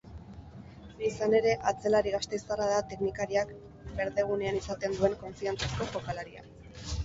Izan ere, atzelari gasteiztarra da teknikariak berdegunean izaten duen konfiantzazko jokalaria.